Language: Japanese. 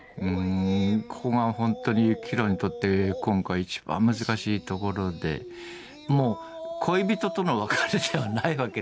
ここが本当に行平にとって今回一番難しいところでもう恋人との別れではないわけですよ。